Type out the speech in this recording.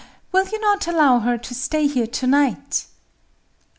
will you not allow her to stay here to night?"